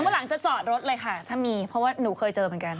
หลังจะจอดรถเลยค่ะถ้ามีเพราะว่าหนูเคยเจอเหมือนกัน